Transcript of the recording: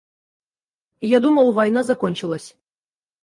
Я думал, война закончилась.